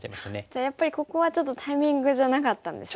じゃあやっぱりここはちょっとタイミングじゃなかったんですね。